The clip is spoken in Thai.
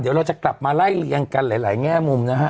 เดี๋ยวเราจะกลับมาไล่เลี่ยงกันหลายแง่มุมนะฮะ